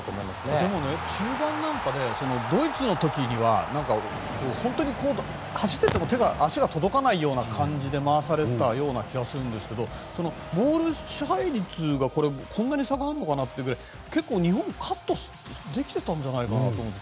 でも、中盤なんかドイツの時には本当に走っていても足が届かないような感じで回されてたような気がするんですけどボール支配率が、そんなに差があるのかなというぐらい結構、日本はカットができてたんじゃないかなって。